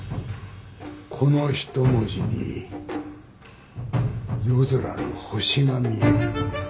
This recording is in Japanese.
この一文字に夜空の星が見える。